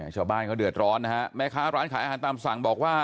ชาวบ้านเขาเดือดร้อนนะฮะแม่ค้าร้านขายอาหารตามสั่งบอกว่า